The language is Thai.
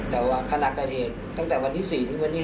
แต่ว่าขณะกระเทศตั้งแต่วันที่๔ถึงวันที่๕